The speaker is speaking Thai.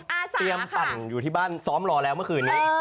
เตรียมปั่นอยู่ที่บ้านซ้อมรอแล้วเมื่อคืนนี้